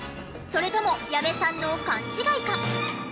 それとも矢部さんの勘違いか？